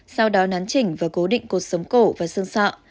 sau đó nắn chỉnh và cố định cột sống cổ và xương sọ